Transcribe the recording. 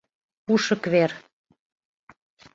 Ушык вер.